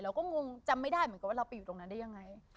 เราก็งงจำไม่ได้ว่าเราไปอยู่ตรงนั้นได้อย่างไร